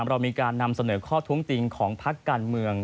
เรามีการนำเสนอข้อตรงจริงของภรรการเมือง